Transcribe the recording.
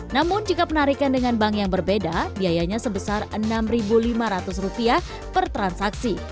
namun jika penarikan dengan bank yang berbeda biayanya sebesar rp enam lima ratus per transaksi